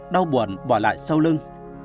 đau buồn bỏ lại sau lưng